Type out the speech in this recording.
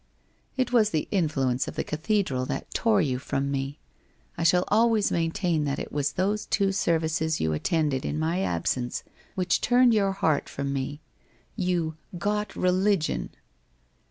' It was the influence of the cathedral that tore you from me. I shall always maintain that it was those two serv ices you attended in my absence which turned your heart from me. You " got religion